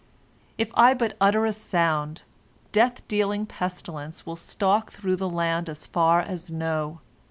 "If I but utter a sound, death dealing pestilence will stalk through the land as far as No.